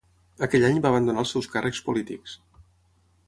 Aquell any va abandonar els seus càrrecs polítics.